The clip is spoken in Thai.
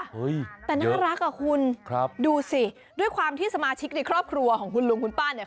เฮ้ยเยอะค่ะดูสิด้วยความที่สมาชิกในครอบครัวของลุงคุณป้าเนี่ย